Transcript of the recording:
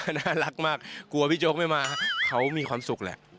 น่ารักมากกลัวพี่โจ๊กไม่มาเขามีความสุขแหละ